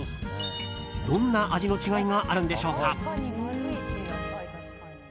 どんな味の違いがあるんでしょうか。